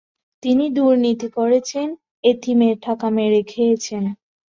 তিনি দুর্নীতি করেছেন, এতিমের টাকা মেরে খেয়েছেন।